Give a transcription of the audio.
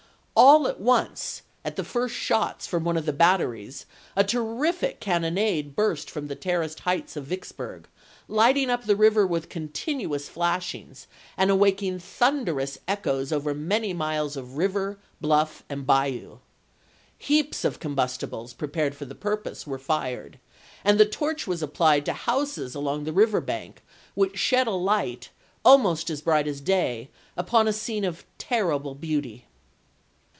All at once, at the first chap. vi. shots from one of the batteries, a terrific cannonade burst from the terraced heights of Vicksburg, light ing up the river with continuous flashings, and awakening thunderous echoes over many miles of river, bluff, and bayou. Heaps of combustibles, prepared for the purpose, were fired, and the torch was applied to houses along the river bank, which shed a light, almost as bright as day, upon a scene of terrible beauty.